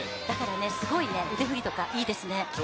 すごい腕振りとかいいですね。